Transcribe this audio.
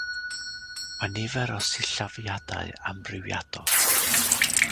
Mae nifer o sillafiadau amrywiadol.